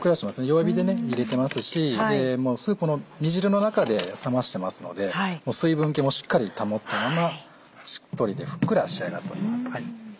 弱火でゆでてますし煮汁の中で冷ましてますので水分気もしっかり保ったまましっとりでふっくら仕上がっております。